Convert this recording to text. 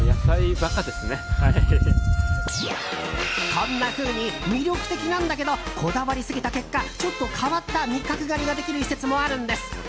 こんなふうに魅力的なんだけどこだわりすぎた結果ちょっと変わった味覚狩りができる施設もあるんです。